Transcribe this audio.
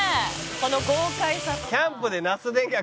この豪快さ」